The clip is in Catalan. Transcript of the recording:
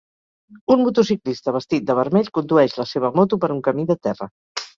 Un motociclista vestit de vermell condueix la seva moto per un camí de terra.